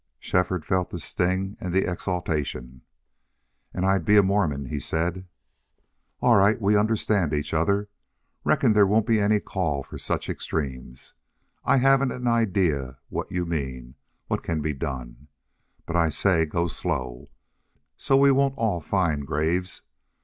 Shefford felt the sting and the exaltation. "And I'd be a Mormon," he said. "All right. We understand each other. Reckon there won't be any call for such extremes. I haven't an idea what you mean what can be done. But I say, go slow, so we won't all find graves.